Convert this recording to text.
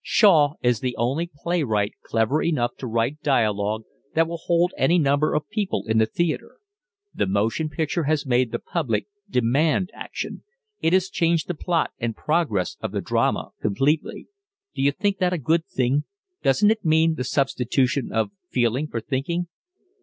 "Shaw is the only playwright clever enough to write dialogue that will hold any number of people in the theatre. The motion picture has made the public demand action. It has changed the plot and progress of the drama completely." "Do you think that a good thing? Doesn't it mean the substitution of feeling for thinking?"